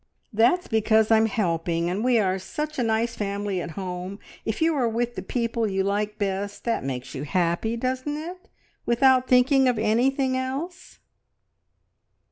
"That's because I'm helping; and we are such a nice family at home. If you are with the people you like best, that makes you happy, doesn't it, without thinking of anything else?"